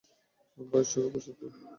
বয়স চোখে পড়ছে তোর।